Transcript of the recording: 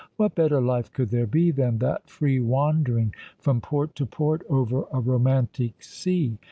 What better life could there be than that free wandering from port to port over a romantic sea?